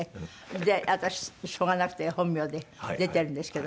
で私しょうがなくて本名で出てるんですけど。